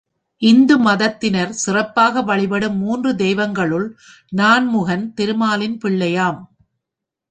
இந்து மதத்தினர் சிறப்பாக வழிபடும் மூன்று தெய்வங்களுள் நான்முகன் திருமாலின் பிள்ளையாம்.